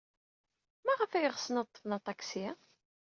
Maɣef ay ɣsen ad ḍḍfen aṭaksi?